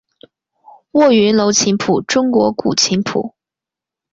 卧云楼琴谱中国古琴谱。